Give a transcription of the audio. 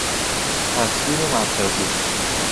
تصویر مرکزی